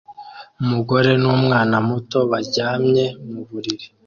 Umugore n'umwana muto baryamye mu buriri